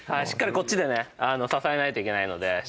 しっかりこっちでね支えないといけないので。